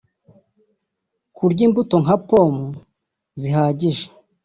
kurya imbuto nka pomme zihagije